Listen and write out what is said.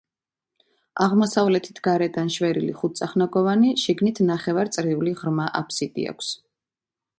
აღმოსავლეთით გარედან შვერილი ხუთწახნაგოვანი, შიგნით ნახევარწრიული ღრმა აფსიდი აქვს.